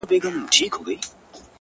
زه مي له ژونده په اووه قرآنه کرکه لرم؛